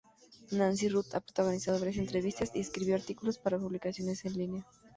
Nancy Ruth ha protagonizado varias entrevistas y escribió artículos para publicaciones en línea.